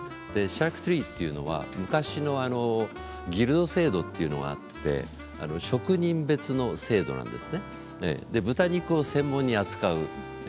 シャルピトリーというのは昔のギルド制度というのがあって職人別の制度です。